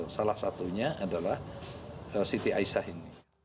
salah satunya adalah siti aisyah ini